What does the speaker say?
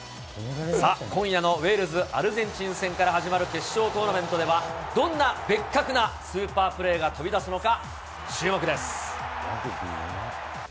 さあ、今夜のウェールズ×アルゼンチン戦から始まる決勝トーナメントでは、どんなベッカクなスーパープレーが飛び出すのか、注目です。